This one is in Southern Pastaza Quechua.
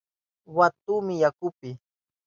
Waytahuni yakupi.